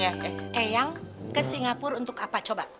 oke eyang ke singapura untuk apa coba